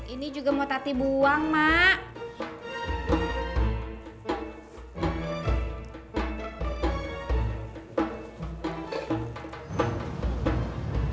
ini juga mau tati buang mak